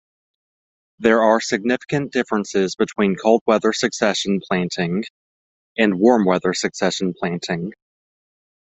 There are significant differences between cold weather succession planting and warm weather succession planting.